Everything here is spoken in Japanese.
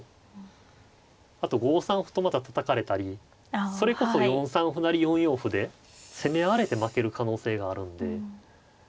あと５三歩とまたたたかれたりそれこそ４三歩成４四歩で攻め合われて負ける可能性があるんで。